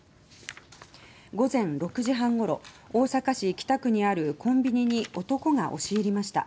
午前６時半ごろ大阪市北区にあるコンビニに男が押し入りました。